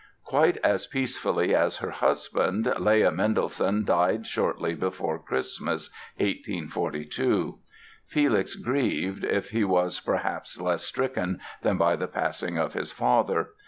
Quite as peacefully as her husband, Leah Mendelssohn died shortly before Christmas, 1842. Felix grieved, if he was perhaps less stricken than by the passing of his father.